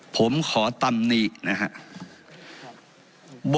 ผมขอตำนี้นะครับ